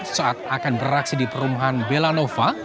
saat akan beraksi di perumahan belanova